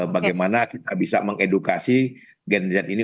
bagaimana kita bisa mengedukasi genresan ini